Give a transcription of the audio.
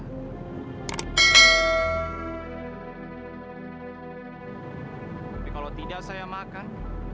tapi kalau tidak saya makan